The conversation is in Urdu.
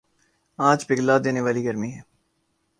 آج پگھلا دینے والی گرمی ہے